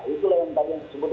itulah yang terbuka